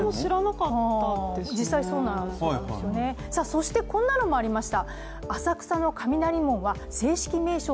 そして、こんなのもありました。